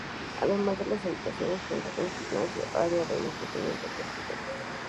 Ademas de las habitaciones, cuenta con gimnasio, área de entretenimiento, alberca y jacuzzi.